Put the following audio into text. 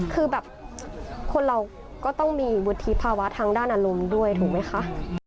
คือแบบคนเราก็ต้องมีวุฒิภาวะทางด้านอารมณ์ด้วยถูกไหมคะ